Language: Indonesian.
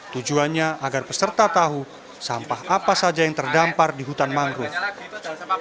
tujuannya agar peserta tahu sampah apa saja yang terdampar di hutan mangrove